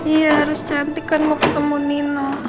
iya harus cantik kan mau ketemu nino